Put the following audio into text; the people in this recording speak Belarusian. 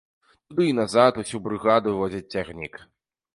Туды і назад усю брыгаду возіць цягнік.